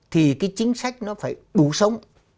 thì cái chính sách nó phải đủ sống